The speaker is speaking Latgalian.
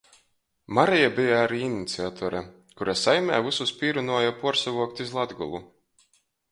Mareja beja ari iniciatore, kura saimē vysus pīrunuoja puorsavuokt iz Latgolu.